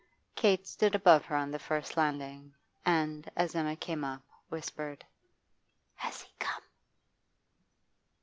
Kate stood above her on the first landing, and, as Emma came up, whispered: 'Has he come?